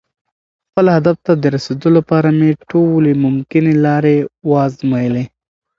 خپل هدف ته د رسېدو لپاره مې ټولې ممکنې لارې وازمویلې.